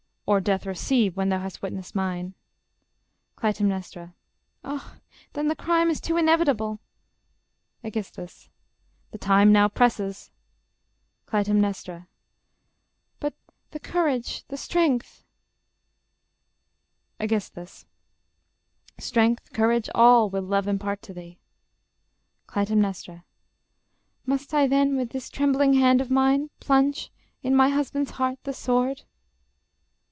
_ Or death receive; when thou hast witnessed mine. Cly. Ah, then the crime is too inevitable! Aegis. The time now presses. Cly. But ... the courage ... strength? ... Aegis. Strength, courage, all, will love impart to thee. Cly. Must I then with this trembling hand of mine Plunge ... in my husband's heart ... the sword?